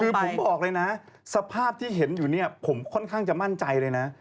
คือผมบอกเลยนะสภาพที่เห็นอยู่เนี่ยผมค่อนข้างจะมั่นใจเลยนะ